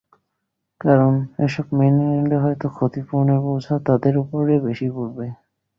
কারণ, এসব মেনে নিলে হয়তো ক্ষতিপূরণের বোঝা তাদের ওপর বেশি পড়বে।